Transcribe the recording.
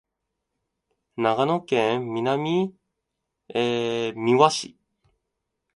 長野県南箕輪村